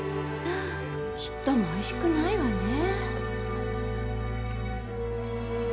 ちっともおいしくないわね。